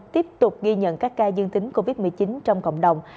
tiếp tục ghi nhận các ca dương tính covid một mươi chín trong cộng đồng